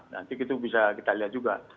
nanti itu bisa kita lihat juga